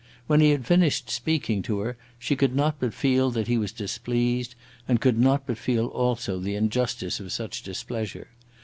When he had finished speaking to her she could not but feel that he was displeased, and could not but feel also the injustice of such displeasure.